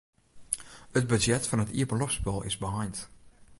It budzjet fan it iepenloftspul is beheind.